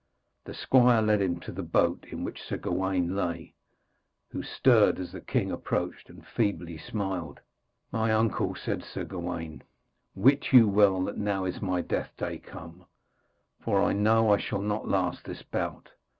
The squire led him to the boat in which Sir Gawaine lay, who stirred as the king approached, and feebly smiled. 'My uncle,' said Sir Gawaine, 'wit you well that now is my death day come, for I know I shall not last this bout.